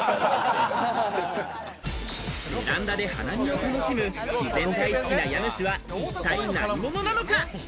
ベランダで花見を楽しむ自然大好きな家主は一体何者なのか？